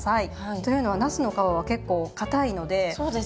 というのはなすの皮は結構硬いので。